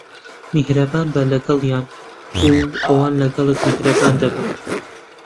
میھرەبان بە لەگەڵیان، و ئەوان لەگەڵت میھرەبان دەبن.